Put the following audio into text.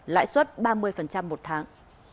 lãi suất ba mươi một tháng